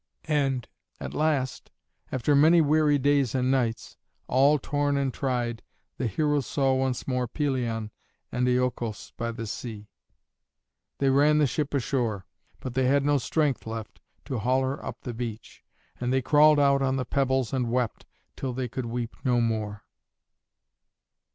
And at last, after many weary days and nights, all worn and tired, the heroes saw once more Pelion and Iolcos by the sea. They ran the ship ashore, but they had no strength left to haul her up the beach, and they crawled out on the pebbles and wept, till they could weep no more.